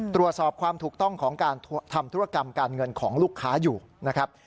ตรวจสอบความถูกต้องของการทำธุรกรรมการเงินของลูกค้าอยู่นะครับ